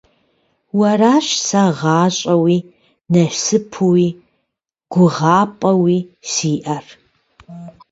Уэращ сэ гъащӀэуи, насыпуи, гугъапӀэуи сиӀэр.